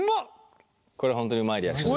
これ本当にうまいリアクション。